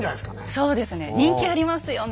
そうですね人気ありますよね